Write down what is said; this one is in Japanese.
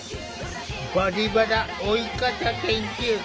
「バリバラ老い方研究会」